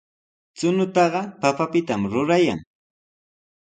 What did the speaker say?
Chuñutaqa papapitami rurayan.